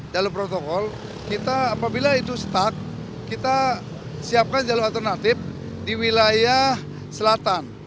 jalur protokol kita apabila itu stuck kita siapkan jalur alternatif di wilayah selatan